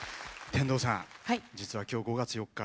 天童さん、実はきょう５月４日